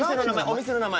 お店の名前。